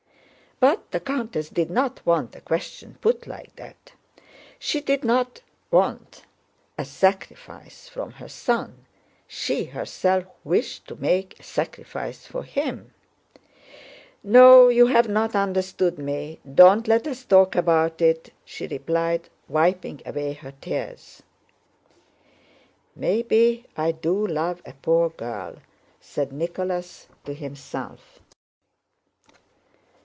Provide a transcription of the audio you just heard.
But the countess did not want the question put like that: she did not want a sacrifice from her son, she herself wished to make a sacrifice for him. "No, you have not understood me, don't let us talk about it," she replied, wiping away her tears. "Maybe I do love a poor girl," said Nicholas to himself.